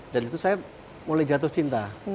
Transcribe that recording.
dan itu saya mulai jatuh cinta